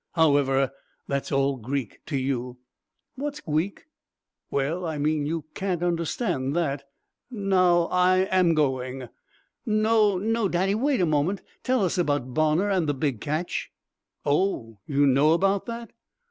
However, that's all Greek to you." "What's Gweek?" "Well, I mean you can't understand that. Now I am going." "No, no, Daddy; wait a moment! Tell us about Bonner and the big catch." "Oh, you know about that!"